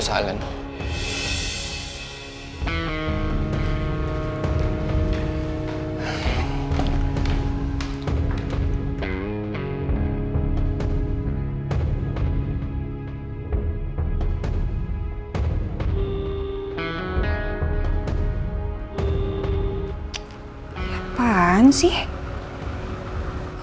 terima kasih ma